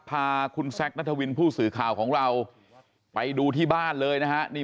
พาคุณแซคนัทวินผู้สื่อข่าวของเราไปดูที่บ้านเลยนะฮะ